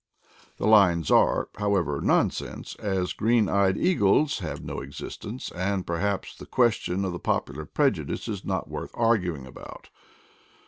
The lines are, however, nonsense, as green eyed eagles have no existence; and perhaps the ques tion of the popular prejudice is not worth argu ing about.